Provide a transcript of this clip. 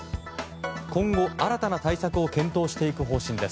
今後新たな対策を検討していく方針です。